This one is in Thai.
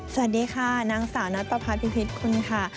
สวัสดีค่ะนางสาวนัทประพัดพิพิษคุณค่ะ